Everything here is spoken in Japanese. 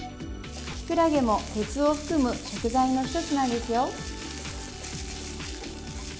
きくらげも鉄を含む食材の一つなんですよ。